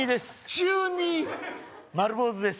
中２丸坊主です